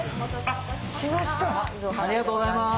ありがとうございます。